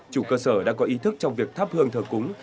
chủ cơ sở đã có ý thức trong việc thắp hương thờ cúng